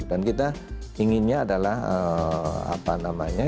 dan kita inginnya adalah apa namanya